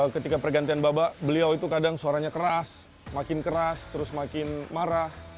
ketika pergantian babak beliau itu kadang suaranya keras makin keras terus makin marah